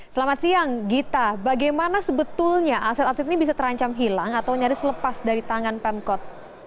selamat siang gita bagaimana sebetulnya aset aset ini bisa terancam hilang atau nyaris lepas dari tangan pemkot